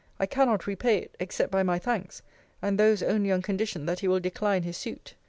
I cannot repay it, except by my thanks; and those only on condition that he will decline his suit.